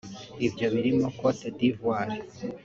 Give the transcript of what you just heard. Ibyo birimo Côte d’Ivoire